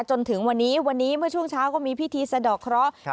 จนถึงวันนี้วันนี้เมื่อช่วงเช้าก็มีพิธีสะดอกเคราะห์